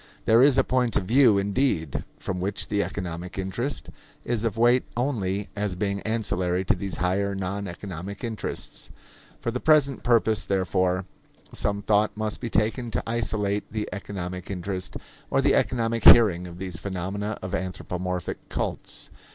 There is a point of view, indeed, from which the economic interest is of weight only as being ancillary to these higher, non economic interests. For the present purpose, therefore, some thought must be taken to isolate the economic interest or the economic hearing of these phenomena of anthropomorphic cults.